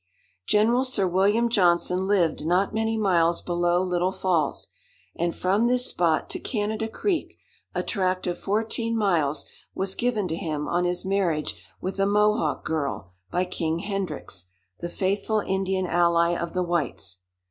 General Sir William Johnson lived not many miles below Little Falls, and from this spot to Canada Creek a tract of fourteen miles was given to him on his marriage with a Mohawk girl, by King Hendricks, the faithful Indian ally of the whites.